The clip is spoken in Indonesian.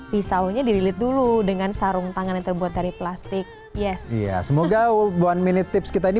pisaunya dirilis dulu dengan sarung tangan yang terbuat dari plastik yes semoga one minute tips kita ini bermanfaat bagi anda bagi anda yang mungkin saat ini masih pikirkan